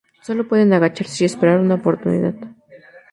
Solo pueden agacharse y esperar una oportunidad.